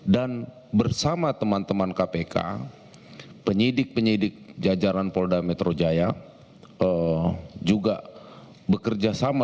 dan bersama teman teman kpk penyidik penyidik jajaran pol damitru jaya juga bekerjasama